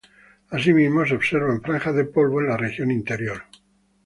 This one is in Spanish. Asimismo, se observan franjas de polvo en la región interior.